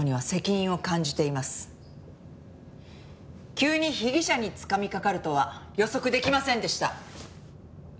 急に被疑者につかみかかるとは予測できませんでした。